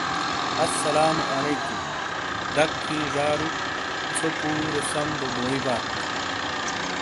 اسلام وعلیکم دَک ہِیں ژارو څھو پورے سَم بو بویئبات۔